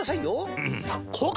うん！